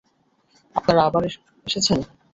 আপনারা আবার এসেছেন!